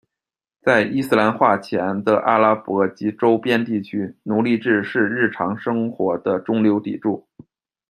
在伊斯兰化前的阿拉伯及周边地区，奴隶制是日常生活的中流砥柱。